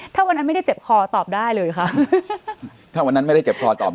ถ้าวันนั้นไม่ได้เจ็บคอตอบได้เลยค่ะถ้าวันนั้นไม่ได้เจ็บคอตอบ